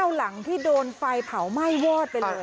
หลังที่โดนไฟเผาไหม้วอดไปเลย